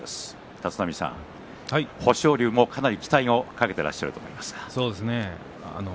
立浪さん、豊昇龍もかなり期待をかけてらっしゃると思いますが。